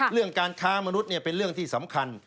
เรื่องการค้ามนุษย์เป็นเรื่องที่สำคัญ